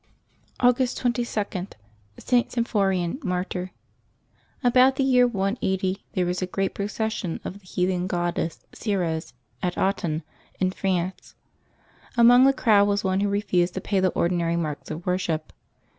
August 22.— ST. SYMPHORIAN, Martyr. HBOUT the year 180 there was a great procession of the heathen goddess Ceres, at Autun, in France. Amongst the crowd was one who refused to pay the ordi nary marks of worship.